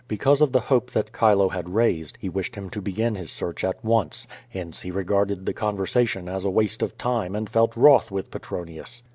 Because of the hope that Chilo had raised, he wished him to begin his search at once; hence he regarded the conversation as a waste of time and felt wroth with Petronius.